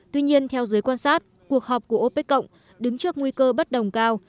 tuy nhiên theo giới quan sát cuộc họp của opec cộng đứng trước nguy cơ bất đồng cao